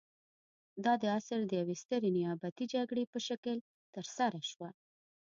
دا د عصر د یوې سترې نیابتي جګړې په شکل کې ترسره شوه.